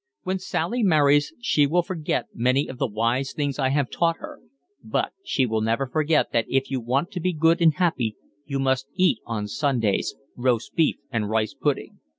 When Sally marries she will forget many of the wise things I have taught her, but she will never forget that if you want to be good and happy you must eat on Sundays roast beef and rice pudding."